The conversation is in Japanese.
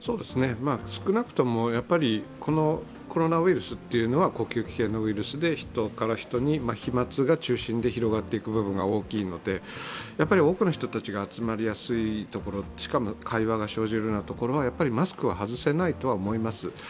少なくともコロナウイルスというのは呼吸器系のウイルスで人から人に、飛沫が中心で広がっていく部分が大きいので大きいので、やっぱり多くの人たちが集まりやすいところ、しかも会話が生じるようなところは、マスクは外せないとは思います